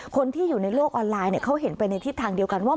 คนที่อยู่ในโลกออนไลน์เขาเห็นไปในทิศทางเดียวกันว่า